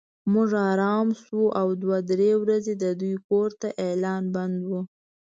موږ ارامه شوو او دوه درې ورځې د دوی کور ته اعلان بند و.